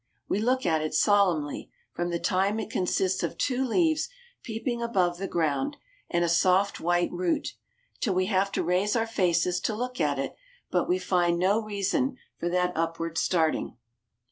We look at it solemnly, from the time it consists of two leaves peeping above the ground and a soft white root, till we have to raise our faces to look at it; but we find no reason for that upward starting.